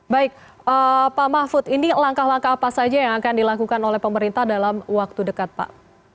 baik pak mahfud ini langkah langkah apa saja yang akan dilakukan oleh pemerintah dalam waktu dekat pak